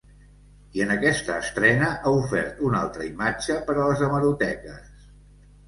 I en aquesta estrena ha ofert una altra imatge per a les hemeroteques.